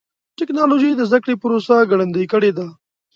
ټکنالوجي د زدهکړې پروسه ګړندۍ کړې ده.